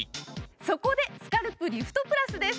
そこでスカルプリフトプラスです。